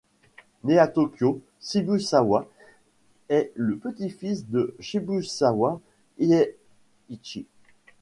Né à Tokyo, Sibusawa est le petit-fils de Shibusawa Eiichi.